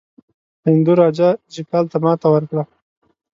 هندو راجا جیپال ته ماته ورکړه.